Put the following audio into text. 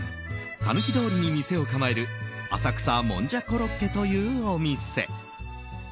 たぬき通りに店を構える浅草もんじゃころっけというお店。